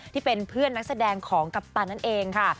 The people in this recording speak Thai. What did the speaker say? ที่เป็นเพื่อนนักแสดงของกัปตันนั่นเองค่ะ